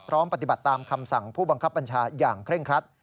ปฏิบัติตามคำสั่งผู้บังคับบัญชาอย่างเคร่งครัด